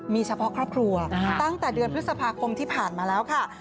มีเฉพาะครอบครัวตั้งแต่เดือนพฤษภาคมที่ผ่านมาแล้วค่ะ